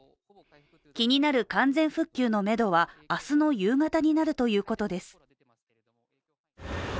気になる完全復旧のめどは明日の夕方になるということです。